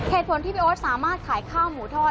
เหตุผลที่พี่โอ๊ตสามารถขายข้าวหมูทอด